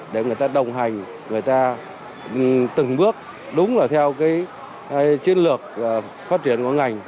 để người ta đồng hành người ta từng bước đúng là theo cái chiến lược phát triển của ngành